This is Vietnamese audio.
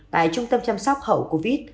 tại trung tâm chăm sóc hậu covid